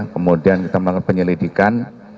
kemudian kita melakukan penyelidikan